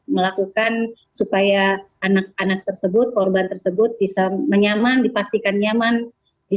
melakukan supaya anak anak tersebut korban tersebut bisa menyaman dipastikan nyaman bisa